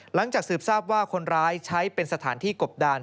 หลังจากสืบทราบว่าคนร้ายใช้เป็นสถานที่กบดาน